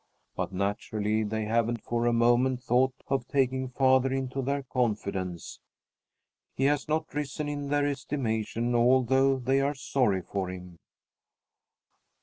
But, naturally, they haven't for a moment thought of taking father into their confidence. He has not risen in their estimation although they are sorry for him.